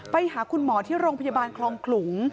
ไปหาคุณหมอที่โรงพยาบาลคลองขลุง